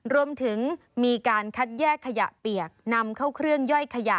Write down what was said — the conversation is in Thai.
รวมถึงมีการคัดแยกขยะเปียกนำเข้าเครื่องย่อยขยะ